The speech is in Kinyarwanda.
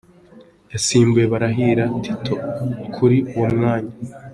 Yasimbuye Barahira Tito kuri uwo mwanya.